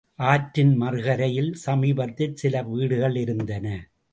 ஆற்றின் மறுகரையில் சமீபத்தில் சில வீடுகளிருந்தன.